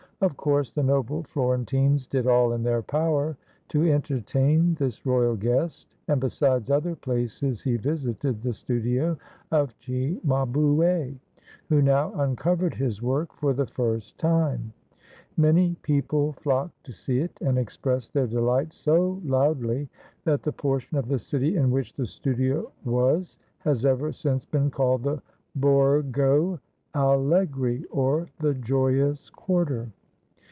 Of course the noble Florentines did all in their power to entertain this royal guest, and besides other places he visited the studio of Cimabue, who now uncovered his work for the first time. Many people flocked to see it, and expressed their delight so loudly that the portion of the city in which the studio was has ever since been called the Borgo Alle gri, or "the joyous quarter."